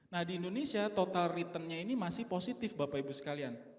nah di indonesia total returnnya ini masih positif bapak ibu sekalian